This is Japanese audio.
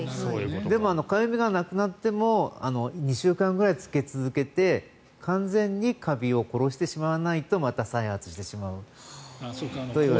でも、かゆみがなくなっても２週間ぐらいつけ続けて完全にカビを殺してしまわないとまた再発してしまうといわれています。